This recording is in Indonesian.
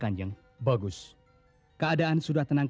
talent ke yang menang